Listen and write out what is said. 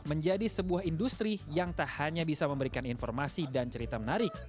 menjadi sebuah industri yang tak hanya bisa memberikan informasi dan cerita menarik